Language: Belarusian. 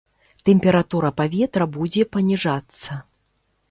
Тэмпература паветра будзе паніжацца.